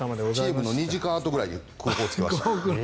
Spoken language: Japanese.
チームの２時間後ぐらいに空港に着きました。